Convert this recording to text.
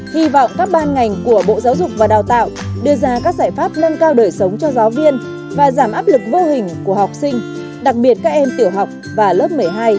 hy vọng các ban ngành của bộ giáo dục và đào tạo đưa ra các giải pháp lân cao đời sống cho giáo viên và giảm áp lực vô hình của học sinh đặc biệt các em tiểu học và lớp một mươi hai